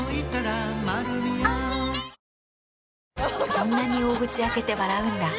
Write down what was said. そんなに大口開けて笑うんだ。